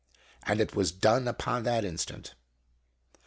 And it was done upon that instant.